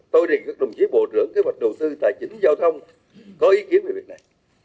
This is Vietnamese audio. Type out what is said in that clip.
tôi đề nghị các đồng chí bộ trưởng kế hoạch đồ sư tài chính giao thông có ý kiến về việc này